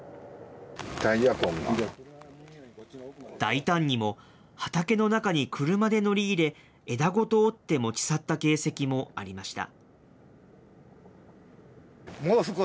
大胆にも畑の中に車で乗り入れ、枝ごと折って持ち去った形跡もありました。